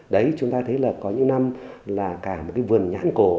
đấy chúng ta thấy là có những năm là cả một cái vườn nhãn cổ